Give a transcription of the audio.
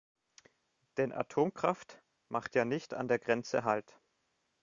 Denn Atomkraft macht ja nicht an der Grenze halt.